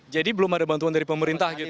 jadi belum ada bantuan dari pemerintah gitu